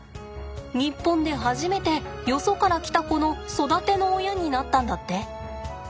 日本で初めてよそから来た子の育ての親になったんだって。